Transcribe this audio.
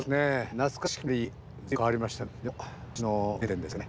懐かしくもあり随分変わりましたね。